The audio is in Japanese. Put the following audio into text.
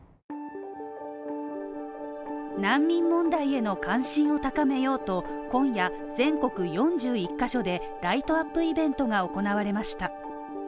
難民問題への関心を高めようと、今夜、全国４１ヶ所で、ライトアップイベントが行われました。